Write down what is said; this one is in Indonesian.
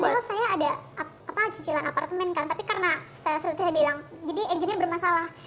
karena saya ada cicilan apartemen kan tapi karena saya bilang jadi agennya bermasalah